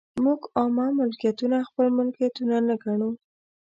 موږ عامه ملکیتونه خپل ملکیتونه نه ګڼو.